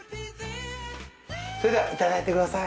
それではいただいてください。